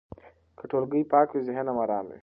که ټولګی پاک وي، ذهن هم ارام وي.